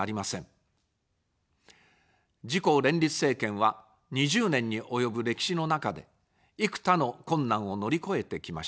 自公連立政権は、２０年に及ぶ歴史の中で、幾多の困難を乗り越えてきました。